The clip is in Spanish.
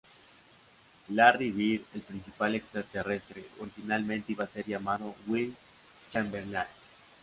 Larry Bird, el principal extraterrestre, originalmente iba a ser llamado Wilt Chamberlain.